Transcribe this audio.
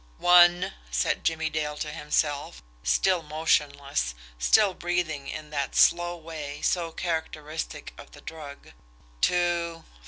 "One," said Jimmie Dale to himself, still motionless, still breathing in that slow way so characteristic of the drug. "Two.